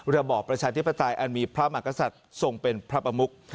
ระบอบประชาธิปไตยอันมีพระมหากษัตริย์ทรงเป็นพระประมุก